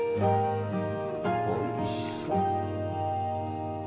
おいしそう。